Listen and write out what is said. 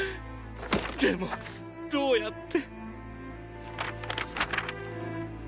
でもどうやって？